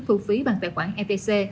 thu phí bằng tài khoản etc